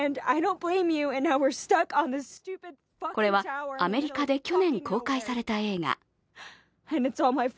これはアメリカで去年公開された映画。